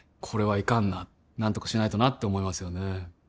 これはいかんな何とかしないとなって思いますよね